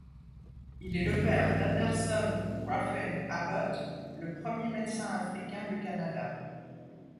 Il est le père d'Anderson Ruffin Abbott, le premier médecin africain du Canada.